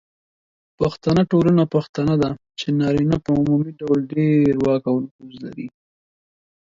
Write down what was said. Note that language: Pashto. پښتنه ټولنه پښتنه ده، چې نارینه په عمومي ډول ډیر واک او نفوذ لري.